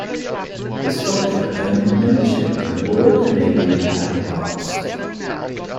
His sculpture earned him membership in the Royal Canadian Academy of Arts.